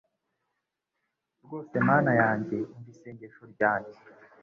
Rwose Mana yanjye umva isengesho ryanjye